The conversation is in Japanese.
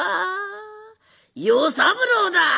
「与三郎だ！